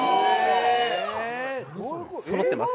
そろってます。